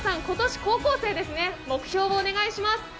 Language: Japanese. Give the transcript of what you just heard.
今年高校生ですね、目標をお願いします。